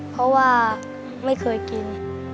เพราะว่าไม่เคยกิน